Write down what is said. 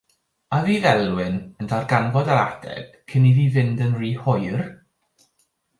A fydd Elwyn yn darganfod yr ateb cyn iddi fynd yn rhy hwyr?